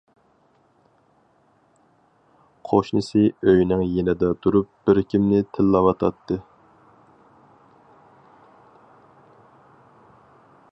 قوشنىسى ئۆيىنىڭ يېنىدا تۇرۇپ بىركىمنى تىللاۋاتاتتى.